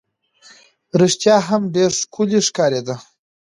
رښتیا هم ډېره ښکلې ښکارېده.